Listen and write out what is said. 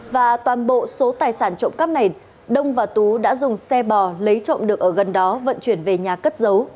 và toàn bộ số tài sản trộm cắp này đông và tú đã dùng xe bò lấy trộm được ở gần đó vận chuyển về nhà cất giấu